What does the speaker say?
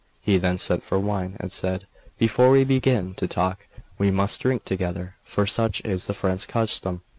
He then sent for wine, and said: "Before we begin to talk, we must drink together, for such is the French custom."